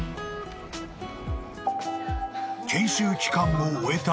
［研修期間を終えた］